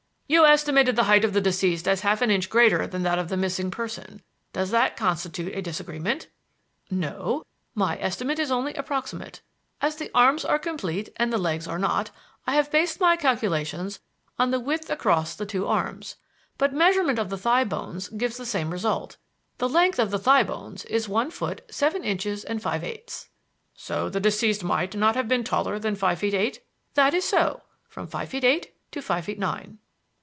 "You estimated the height of the deceased as half an inch greater than that of the missing person. Does that constitute a disagreement?" "No; my estimate is only approximate. As the arms are complete and the legs are not, I have based my calculations on the width across the two arms. But measurement of the thigh bones gives the same result. The length of the thigh bones is one foot seven inches and five eighths." "So the deceased might not have been taller than five feet eight?" "That is so; from five feet eight to five feet nine."